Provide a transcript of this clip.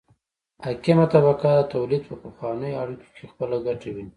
حاکمه طبقه د تولید په پخوانیو اړیکو کې خپله ګټه ویني.